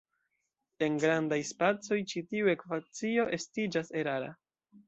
En grandaj spacoj, ĉi tiu ekvacio estiĝas erara.